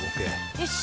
よし。